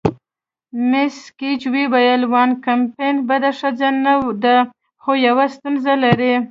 مس ګیج وویل: وان کمپن بده ښځه نه ده، خو یوه ستونزه لري.